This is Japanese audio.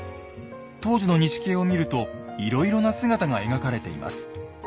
当時の錦絵を見るといろいろな姿が描かれています。